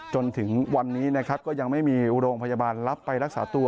จนถึงวันนี้นะครับก็ยังไม่มีโรงพยาบาลรับไปรักษาตัว